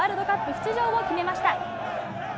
出場を決めました。